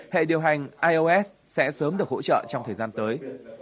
hệ điều hành ios sẽ sớm được hỗ trợ trong thời gian tới